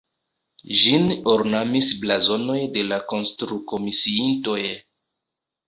Ĝin ornamis blazonoj de la konstrukomisiintoj.